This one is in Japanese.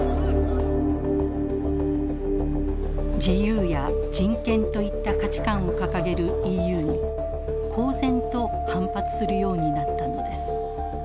自由や人権といった価値観を掲げるＥＵに公然と反発するようになったのです。